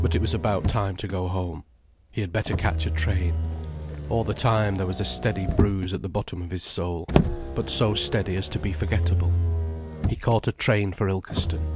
But it was about time to go home. He had better catch a train. All the time there was a steady bruise at the bottom of his soul, but so steady as to be forgettable. He caught a train for Ilkeston.